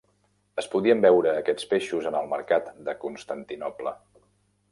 Es podien veure aquests peixos en el mercat de Constantinoble.